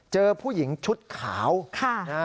เจอผู้หญิงชุดขาว